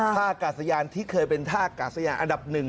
ท่ากาศยานที่เคยเป็นท่ากาศยานอันดับหนึ่ง